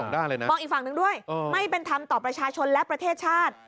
ได้เลยนะมองอีกฝั่งหนึ่งด้วยไม่เป็นธรรมต่อประชาชนและประเทศชาติ